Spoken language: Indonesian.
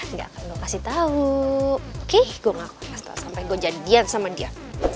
nggak akan gua kasih tau oke gua ngaku ngaku nggak setau sampe gua jadian sama dia